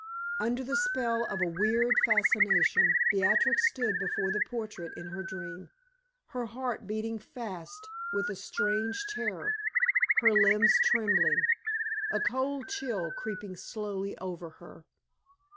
Under the spell of a weird fascination, Beatrix stood before the portrait in her dream, her heart beating fast with a strange terror, her limbs trembling, a cold chill creeping slowly over her.